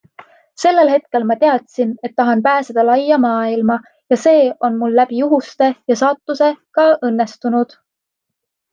Sellel hetkel ma teadsin, et tahan pääseda laia maailma ja see on mul läbi juhuste ja saatuse ka õnnestunud.